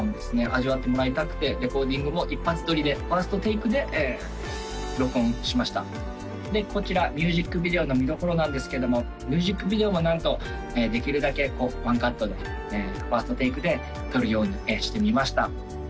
味わってもらいたくてレコーディングも一発どりでファーストテイクで録音しましたでこちらミュージックビデオの見どころなんですけどもミュージックビデオもなんとできるだけこうワンカットでファーストテイクで撮るようにしてみました